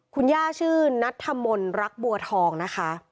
คุณย่าชื่อนัตธรรมนรักวัทธองนะคะ